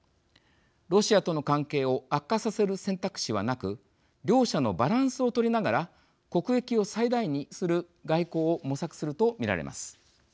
ロシアとの関係を悪化させる選択肢はなく両者のバランスを取りながら国益を最大にする外交を模索すると見られます。